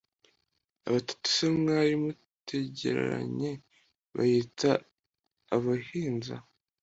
Abatatu se mwari mutegeranye biyita abahinza,